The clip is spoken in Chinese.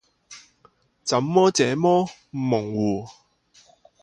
怎么这么模糊？